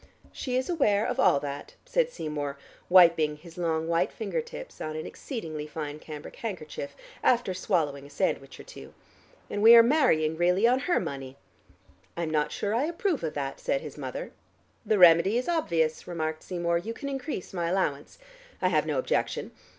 "She is aware of all that," said Seymour, wiping his long white finger tips on an exceedingly fine cambric handkerchief, after swallowing a sandwich or two, "and we are marrying really on her money." "I am not sure that I approve of that," said his mother. "The remedy is obvious," remarked Seymour. "You can increase my allowance. I have no objection.